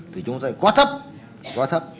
thì chúng ta sẽ quá thấp quá thấp